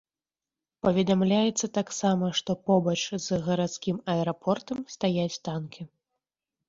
Паведамляецца таксама, што побач з гарадскім аэрапортам стаяць танкі.